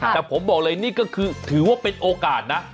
แต่ผมบอกเลยนี่ก็คือถือว่าเป็นโอกาสนะ